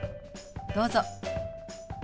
どうぞ。